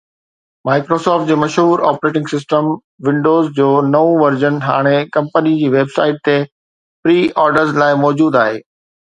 Microsoft جي مشهور operating system Windows جو نئون ورزن هاڻي ڪمپني جي ويب سائيٽ تي پري آرڊر لاءِ موجود آهي